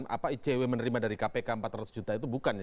apa icw menerima dari kpk empat ratus juta itu bukan ya